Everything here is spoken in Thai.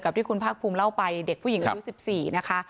ที่คุณภาคภูมิเล่าไปเด็กผู้หญิงอายุ๑๔นะคะ